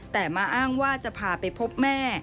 แต่มาอ้างว่าจะพาไปพบแม่